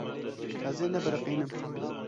Ez ê nebiriqînim.